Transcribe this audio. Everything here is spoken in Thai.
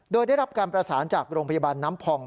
โดยได้รับการประสานจากโรงพยาบาลน้ำพอง